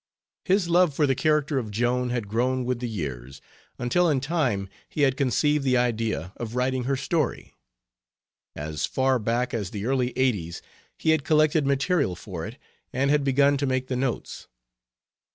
His love for the character of Joan had grown with the years, until in time he had conceived the idea of writing her story. As far back as the early eighties he had collected material for it, and had begun to make the notes.